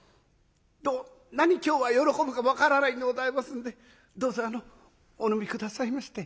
どんなに今日は喜ぶかも分からないんでございますんでどうぞお飲み下さいまして」。